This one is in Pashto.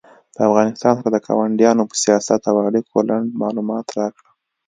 د افغانستان سره د کاونډیانو په سیاست او اړیکو لنډ معلومات راکړه